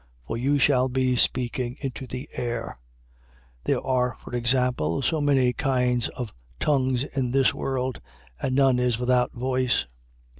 For you shall be speaking into the air. 14:10. There are, for example, so many kinds of tongues in this world: and none is without voice.